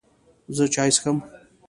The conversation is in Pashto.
زه چای څښم.